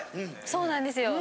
そうなんですよ。